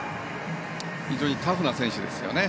非常にタフな選手ですよね。